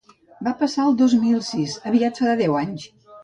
Va passar el dos mil sis: aviat farà deu anys.